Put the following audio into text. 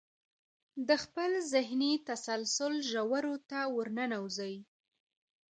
د خپل ذهني تسلسل ژورو ته ورننوځئ.